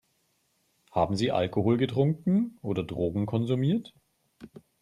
Haben Sie Alkohol getrunken oder Drogen konsumiert?